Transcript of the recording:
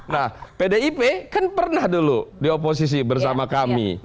nah pdip kan pernah dulu di oposisi bersama kami